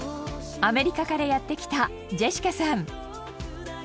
アメリカからやって来たジェシカさん。